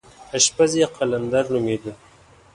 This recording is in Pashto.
اشپز یې قلندر نومېده.